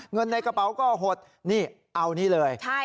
เงินในกระเป๋าก็หดนี่เอานี่เลย